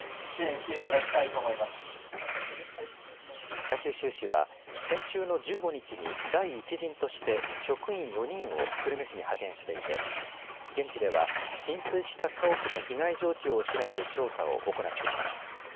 北九州市は先週の１５日に第１陣として職員４人を久留米市に派遣していて現地では浸水した家屋の被害状況を調べる調査を行っています。